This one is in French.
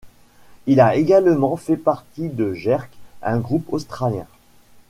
Il a également fait partie de Jerk, un groupe australien.